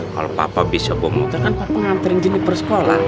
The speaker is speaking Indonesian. kalo papa bisa bawa motor kan papa ngantri juniper ke sekolah